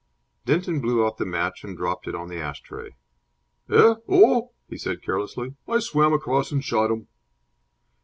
Denton blew out the match and dropped it on the ash tray. "Eh? Oh," he said, carelessly, "I swam across and shot him."